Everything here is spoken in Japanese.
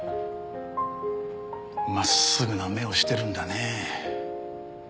真っすぐな目をしてるんだねえ。